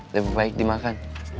lebih baik dimakan